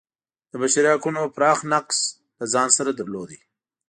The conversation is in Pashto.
د بشري حقونو پراخ نقض له ځان سره درلود.